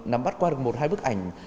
nắm bắt qua được một hai bức ảnh